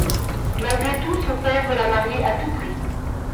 Malgré tout, son père veut la marier à tout prix.